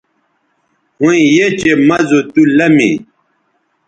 ھویں یھ چہء مَزو تُو لمی